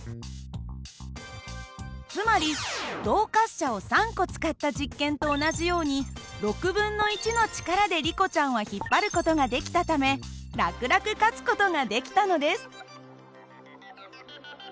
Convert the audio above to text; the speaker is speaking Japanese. つまり動滑車を３個使った実験と同じように６分の１の力でリコちゃんは引っ張る事ができたため楽々勝つ事ができたのです。